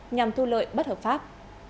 nhằm thu lợi bất hợp pháp